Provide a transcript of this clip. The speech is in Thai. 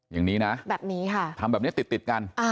อย่างนี้นะแบบนี้ค่ะทำแบบนี้ติดกัน